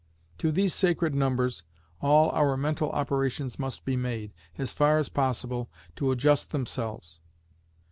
To these sacred numbers all our mental operations must be made, as far as possible, to adjust themselves.